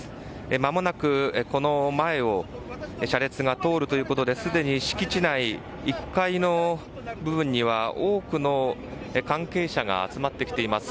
まもなくこの前を車列が通るということですでに敷地内、１階の部分には多くの関係者が集まってきています。